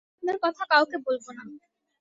আমি আপনার কথা কাউকে বলব না।